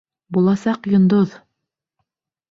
Буласаҡ йондоҙ!